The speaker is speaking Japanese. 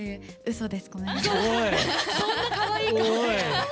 そんなかわいい顔で。